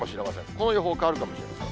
この予報変わるかもしれません。